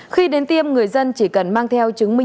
khi đến tiêm người dân chỉ cần mang theo chứng minh